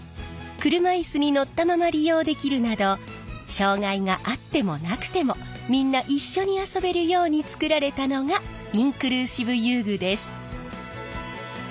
車いすに乗ったまま利用できるなど障がいがあってもなくてもみんな一緒に遊べるように作られたのがインクルーシブ遊具です。